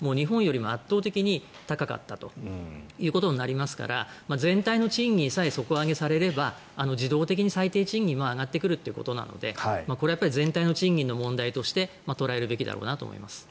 日本よりも圧倒的に高かったということになりますが全体の賃金さえ底上げされれば自動的に最低賃金も上がってくるということなのでこれは全体の賃金の問題として捉えるべきだろうなと思います。